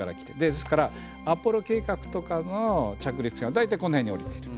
ですからアポロ計画とかの着陸地は大体この辺に降りてる。